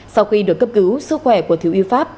sau khi được cấp cứu sức khỏe của thiếu y pháp